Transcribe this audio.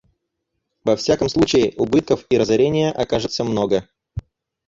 Во всяком случае, убытков и разорения окажется много.